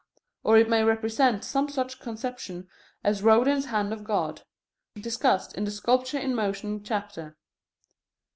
Or it may represent some such conception as Rodin's Hand of God, discussed in the Sculpture in motion chapter.